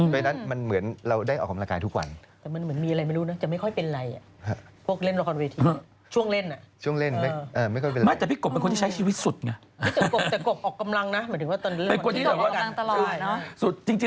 กตอบออกกำรังตลอดเนอะจริง